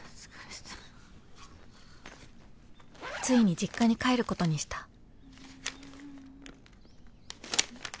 ［ついに実家に帰ることにした］